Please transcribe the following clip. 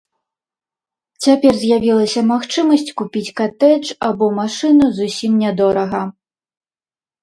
Цяпер з'явілася магчымасць купіць катэдж або машыну зусім нядорага.